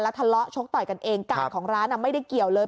ทะเลาะชกต่อยกันเองกาดของร้านไม่ได้เกี่ยวเลย